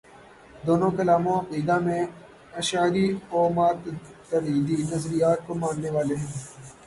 دونوں کلام و عقیدہ میں اشعری و ماتریدی نظریات کو ماننے والے ہیں۔